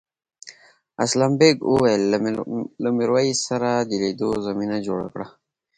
اسلم بېگ وویل له میرويس سره د لیدو زمینه جوړه کړه.